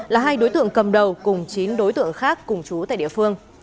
là hai đối tượng cầm đầu cùng chín đối tượng khác cùng chú tại địa phương